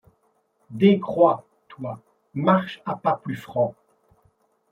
Décroît, toi, marche à pas plus francs !